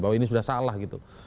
bahwa ini sudah salah gitu